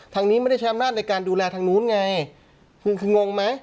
ทางนี้ไม่ได้ใช้อำนาจในการดูแลทางนู้นไงคืองงไหม